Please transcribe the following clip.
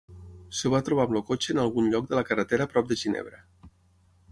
Es va trobar amb el cotxe en algun lloc de la carretera prop de Ginebra.